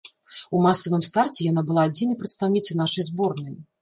У масавым старце яна была адзінай прадстаўніцай нашай зборнай.